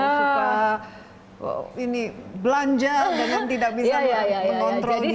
suka ini belanja dengan tidak bisa mengontrol diri